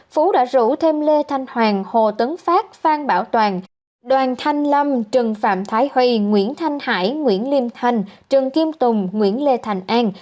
phú đã rủ thêm lê thanh hoàng hồ tấn phát phan bảo toàn đoàn thanh lâm trần phạm thái huy nguyễn thanh hải nguyễn liêm thanh trần kim tùng nguyễn lê thành an